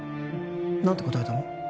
何て答えたの？